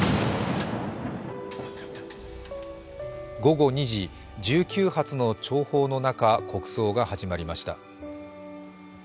午後２時、１９発の弔砲の中、国葬が始まりました。